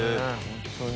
本当に。